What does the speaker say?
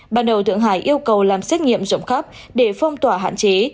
ban đầu thượng hải yêu cầu làm xét nghiệm rộng khắp để phong tỏa hạn chế